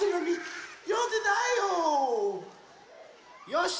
よし！